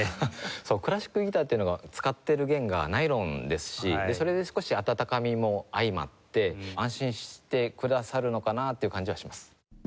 クラシックギターっていうのが使ってる弦がナイロンですしそれで少し温かみも相まって安心してくださるのかなっていう感じはします。